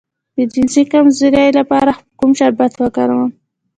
د جنسي کمزوری لپاره کوم شربت وکاروم؟